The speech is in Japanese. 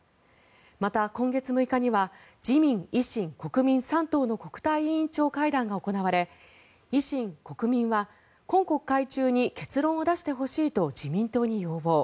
また、今月６日には自民・維新・国民３党の国対委員長会談が行われ維新、国民は今国会中に結論を出してほしいと自民党に要望。